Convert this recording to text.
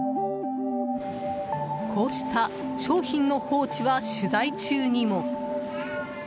こうした商品の放置は取材中にも。